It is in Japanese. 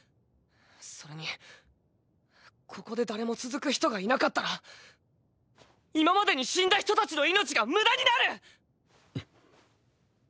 それにここで誰も続く人がいなかったら今までに死んだ人たちの命が無駄になる！